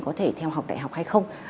có thể theo học đại học hay không